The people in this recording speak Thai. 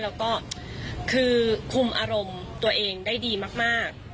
แล้วก็คือคุมอารมณ์ตัวเองได้ดีมาก